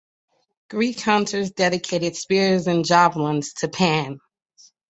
Greek hunters dedicated spears and javelins to Pan.